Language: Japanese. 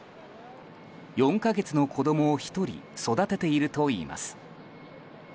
４か月の子供を１人育てているといいます。